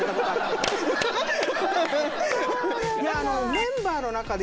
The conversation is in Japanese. メンバーの中で。